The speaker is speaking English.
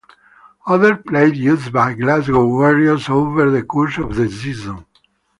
Other players used by Glasgow Warriors over the course of the season.